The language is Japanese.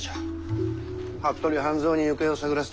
服部半蔵に行方を探らせております。